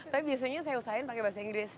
tapi biasanya saya usahain pakai bahasa inggris